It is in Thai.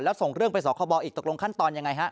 แล้วส่งเรื่องไปสคบอีกตกลงขั้นตอนยังไงฮะ